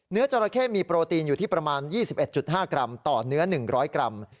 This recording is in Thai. จราเข้มีโปรตีนอยู่ที่ประมาณ๒๑๕กรัมต่อเนื้อ๑๐๐กรัม